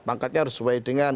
pangkatnya harus sesuai dengan